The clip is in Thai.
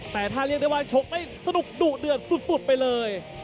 แต่ถ้าเรียกได้ว่าชกได้สนุกดุเดือดสุดไปเลย